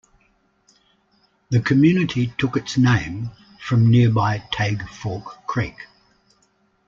The community took its name from nearby Tague Fork creek.